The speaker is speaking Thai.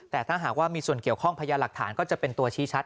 แต่ถ้าหากว่ามีส่วนเกี่ยวข้องพยานหลักฐานก็จะเป็นตัวชี้ชัด